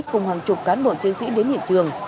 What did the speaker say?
cùng hàng chục cán bộ chiến sĩ đến hiện trường